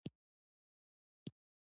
د زابل په سیوري کې د ګچ نښې شته.